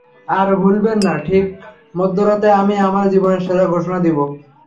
আর ভুলবেন না, ঠিক মধ্যরাতে, আমি আমার জীবনের সেরা ঘোষণা দিবো!